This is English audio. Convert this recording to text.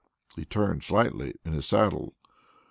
He turned slightly in his saddle.